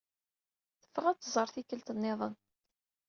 Tebɣa ad t-tẓer tikelt nniḍen.